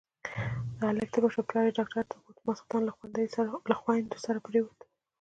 د هلک تبه شوه، پلار يې ډاکټر ته بوت، ماسختن له خويندو سره پرېووت.